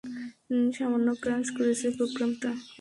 সামান্য ক্র্যাশ করেছে প্রোগ্রামটা!